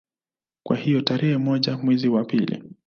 Kwa hiyo tarehe moja mwezi wa pili